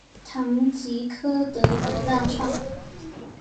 唐吉柯德和大创